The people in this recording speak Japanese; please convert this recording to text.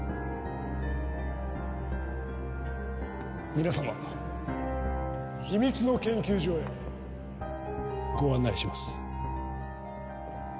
皆様秘密の研究所へご案内します。